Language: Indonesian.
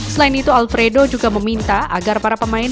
selain itu alfredo juga meminta agar para pemain